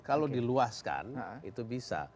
kalau diluaskan itu bisa